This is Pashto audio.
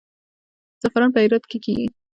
زعفران په هرات کې کیږي